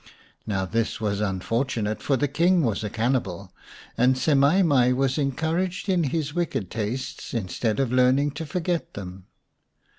Now this was unfortunate, for the King was a cannibal, and Semai mai was encouraged in his wicked tastes instead of learning to forget them.